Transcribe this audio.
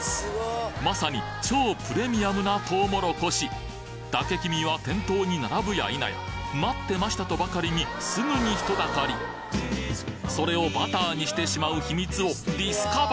まさに超プレミアムなとうもろこし嶽きみは店頭に並ぶやいなや待ってましたとばかりにすぐに人だかりそれをバターにしてしまう秘密をディスカバ！